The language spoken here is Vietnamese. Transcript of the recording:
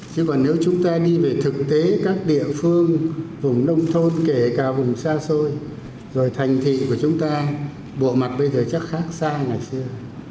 chứ còn nếu chúng ta đi về thực tế các địa phương vùng nông thôn kể cả vùng xa xôi rồi thành thị của chúng ta bộ mặt bây giờ chắc khác xa ngày xưa